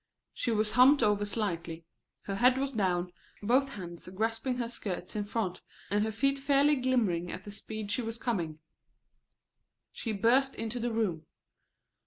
She was humped over slightly, her head was down, both hands grasping her skirts in front, and her feet fairly glimmering at the speed she was coming. She burst into the room.